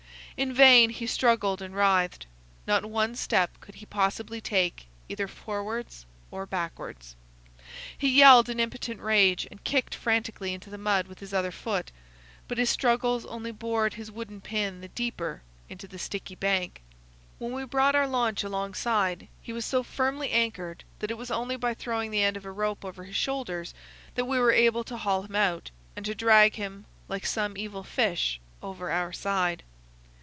In vain he struggled and writhed. Not one step could he possibly take either forwards or backwards. He yelled in impotent rage, and kicked frantically into the mud with his other foot, but his struggles only bored his wooden pin the deeper into the sticky bank. When we brought our launch alongside he was so firmly anchored that it was only by throwing the end of a rope over his shoulders that we were able to haul him out, and to drag him, like some evil fish, over our side.